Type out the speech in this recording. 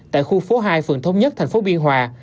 tại khu phố hai phường thống nhất thành phố biên hòa